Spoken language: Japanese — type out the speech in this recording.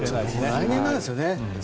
来年なんですよね。